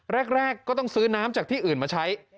แรกก็ต้องซื้อน้ำจากที่อื่นมาใช้